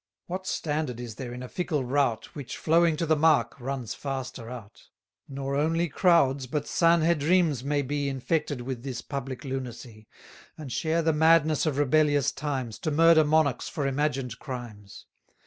What standard is there in a fickle rout, Which, flowing to the mark, runs faster out? Nor only crowds but Sanhedrims may be Infected with this public lunacy, And share the madness of rebellious times, To murder monarchs for imagined crimes.